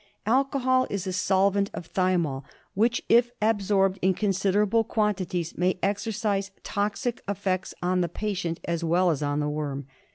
Alcohol is a solvent of thymol which, if absorbed in considerable quantities, may exercise toxic effects on the patient as well as on the worm.